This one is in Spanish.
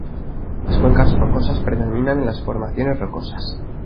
Las cuencas rocosas predominan en las formaciones rocosas.